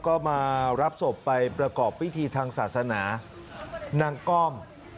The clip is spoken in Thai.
ก็มารับศพไปประกอบพิธีทางศาสนานางก้อม